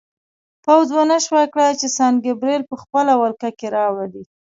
پوځ ونه شوای کړای چې سان ګبریل په خپله ولکه کې راولي.